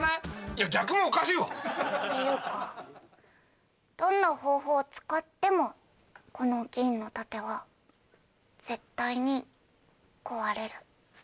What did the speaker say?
いや逆もおかしいわ！っていうかどんな方法を使ってもこの銀の盾は絶対に壊れる。